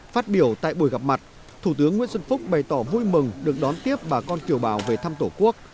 phát biểu tại buổi gặp mặt thủ tướng nguyễn xuân phúc bày tỏ vui mừng được đón tiếp bà con kiều bào về thăm tổ quốc